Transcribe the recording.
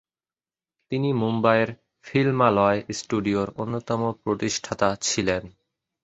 তিনি মুম্বাইয়ের "ফিল্মালয়" স্টুডিওর অন্যতম প্রতিষ্ঠাতা ছিলেন।